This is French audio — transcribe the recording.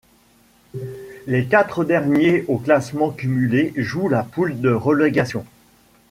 Les quatre derniers au classement cumulé jouent la poule de relégation.